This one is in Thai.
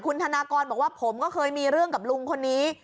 คุณธนากรบอกว่าผมก็เคยมีเรื่องกับลุงคนนี้